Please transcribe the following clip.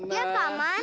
iya pak man